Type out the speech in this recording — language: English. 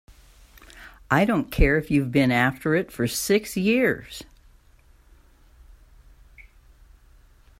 I don't care if you've been after it for six years!